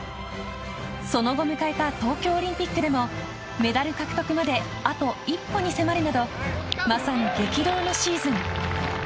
その後迎えた東京オリンピックでもメダル獲得まであと一歩に迫るなどまさに激動のシーズン。